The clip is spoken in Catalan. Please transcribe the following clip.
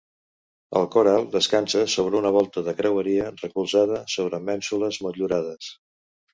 El cor alt descansa sobre una volta de creueria recolzada sobre mènsules motllurades.